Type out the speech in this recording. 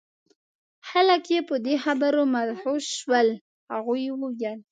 خلک یې په دې خبرو مدهوش شول. هغوی وویل: